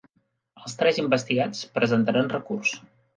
Els tres investigats presentaran recurs